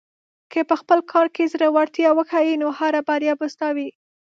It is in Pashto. که په خپل کار کې زړۀ ورتیا وښیې، نو هره بریا به ستا وي.